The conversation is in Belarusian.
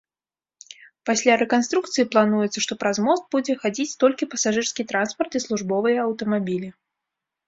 Пасля рэканструкцыі плануецца, што праз мост будзе хадзіць толькі пасажырскі транспарт і службовыя аўтамабілі.